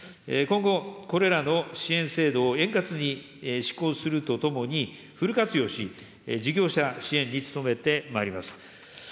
今後、これらの支援制度を円滑に施行するとともに、フル活用し、事業者支援に努めてまいります。